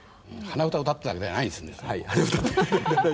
鼻歌を歌っていたわけじゃないです。